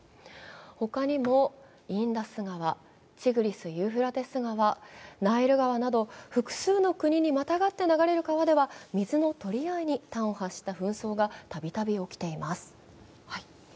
他にもインダス川、チグリス・ユーフラテス川、ナイル川など、複数の国にまたがって流れる川では、水の取り合いに端を発した紛争がたびたび起きています。